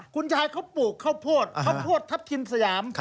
คุณยายเขาปลูกข้าวโพดข้าวโพดทัพทิมสยาม